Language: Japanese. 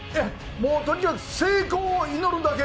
もうとにかく成功を祈るだけ！